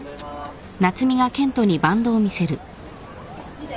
見て。